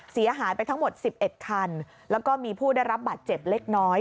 เสียหายไปทั้งหมด๑๑คันแล้วก็มีผู้ได้รับบาดเจ็บเล็กน้อย